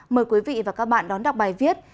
mời quý vị và các bạn đón đọc bài viết